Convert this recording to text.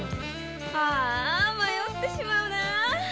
あぁ迷ってしまうな。